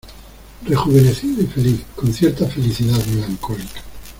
rejuvenecido y feliz, con cierta felicidad melancólica